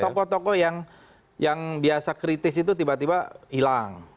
tokoh tokoh yang biasa kritis itu tiba tiba hilang